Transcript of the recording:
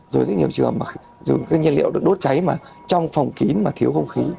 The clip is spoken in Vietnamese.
rồi rất nhiều trường hợp mà dùng các nhân liệu được đốt cháy mà trong phòng kín mà thiếu không khí